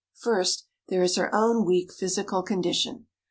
First, there is her own weak physical condition.